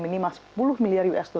kita bisa mencapai sepuluh miliar usd